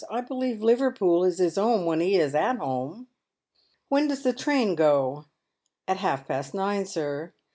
I believe Liverpool is his 'ome when he is at 'ome." " When does the train go ?"*' At half past nine, sir."